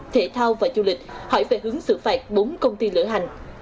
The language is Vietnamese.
thể thao và du lịch hỏi về hướng xử phạt bốn công ty lửa hành